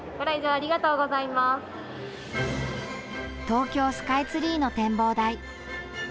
東京スカイツリーの展望台。